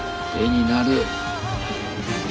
絵になる。